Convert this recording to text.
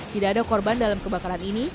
tidak ada korban dalam kebakaran ini